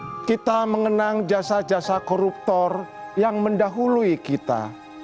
bagaimana kita mengenang jasa jasa koruptor yang mendahului kita